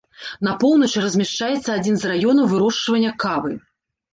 На поўначы размяшчаецца адзін з раёнаў вырошчвання кавы.